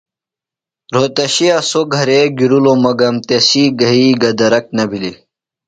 رھوتشِیہ سوۡ گھرے گِرِلوۡ مگم تسی گھئی گہ درک نہ بِھلیۡ۔